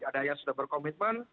ada yang sudah berkomitmen